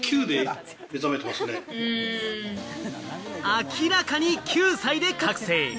明らかに９歳で覚醒！